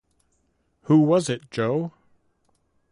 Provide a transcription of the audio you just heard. Who was it, Joe?